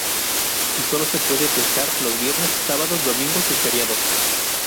Y solo se puede pescar los Viernes, Sábados, Domingos y Feriados.